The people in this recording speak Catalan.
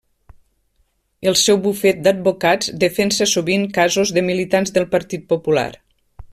El seu bufet d'advocats defensa sovint casos de militants del Partit Popular.